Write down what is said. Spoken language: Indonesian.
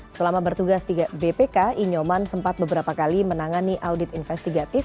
selama bertugas di bpk inyoman sempat beberapa kali menangani audit investigatif